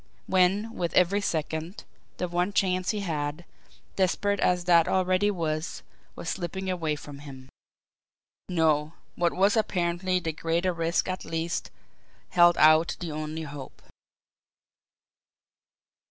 When, with every second, the one chance he had, desperate as that already was, was slipping away from him. No; what was apparently the greater risk at least held out the only hope.